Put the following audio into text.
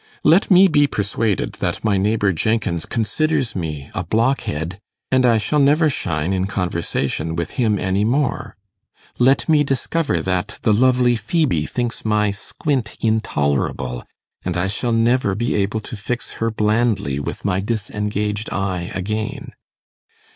Let me be persuaded that my neighbour Jenkins considers me a blockhead, and I shall never shine in conversation with him any more. Let me discover that the lovely Phœbe thinks my squint intolerable, and I shall never be able to fix her blandly with my disengaged eye again.